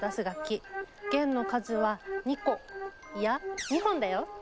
弦の数は２個いや２本だよ。